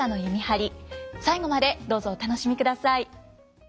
最後までどうぞお楽しみください。